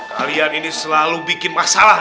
kalian ini selalu bikin masalah